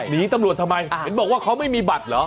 หนีตำรวจทำไมเห็นบอกว่าเขาไม่มีบัตรเหรอ